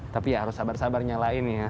tapi ya harus sabar sabarnya lainnya